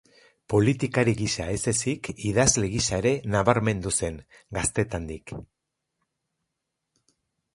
Politikari gisa ez ezik, idazle gisa ere nabarmendu zen, gaztetandik.